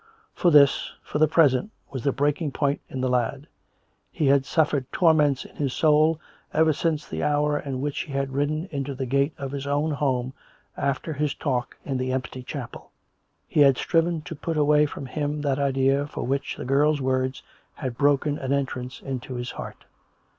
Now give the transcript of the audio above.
For this, for the present, was the breaking point in the lad. He had suffered torments in his soul, ever since the hour in which he had ridden into the gate of his own home after his talk in the empty chapel ; he had striven to put away from him that idea for which the girl's words had broken an entrance into his heart.